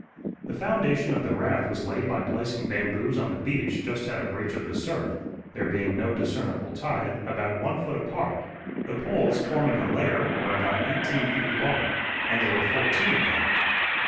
The foundation of the raft was laid by placing bamboos on the beach just out of reach of the surf, there being no discernable tide, about one foot apart. The poles, forming a layer, were about eighteen feet long, and there were fourteen of them.